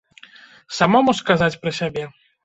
Самому сказаць пра сябе?